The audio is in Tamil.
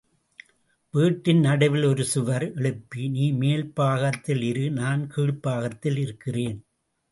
வீட்டின் நடுவில் ஒரு சுவர் எழுப்பி, நீ மேல் பாகத்தில் இரு நான் கீழ்பாகத்தில் இருக்கிறேன்.